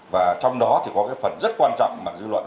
và trong đó thì có cái phần rất quan trọng mà dư luận